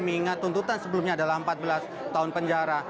mengingat tuntutan sebelumnya adalah empat belas tahun penjara